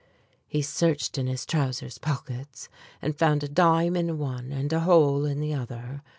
He searched in his trousers pockets and found a dime in one and a hole in the other.